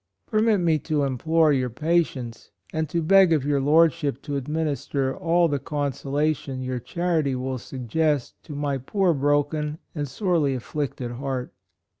Permit me to implore your patience, and to beg of your Lordship to administer all the con solation your charity will suggest to my poor broken and sorely afflicted heart.